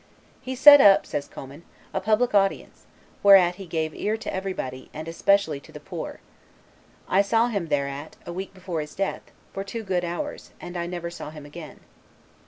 "He set up," says Commynes, "a public audience, whereat he gave ear to everybody, and especially to the poor; I saw him thereat, a week before his death, for two good hours, and I never saw him again.